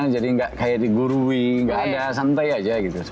jadi nggak kayak digurui nggak ada santai aja gitu